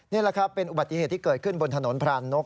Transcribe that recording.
นี่แหละครับเป็นอุบัติเหตุที่เกิดขึ้นบนถนนพรานนก